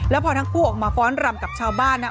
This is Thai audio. แล้วพอทั้งคู่ออกมาฟ้อนรำกับชาวบ้านนะ